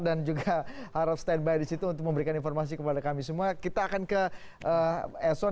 dan juga harus standby disitu untuk memberikan informasi kepada kami semua kita akan ke eson